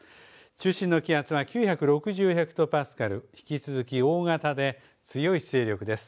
中心の気圧は９６０ヘクトパスカル、引き続き大型で強い勢力です。